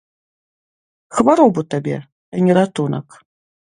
Хваробу табе, а не ратунак.